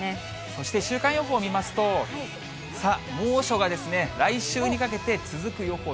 そして週間予報を見ますと、猛暑が来週にかけて続く予報。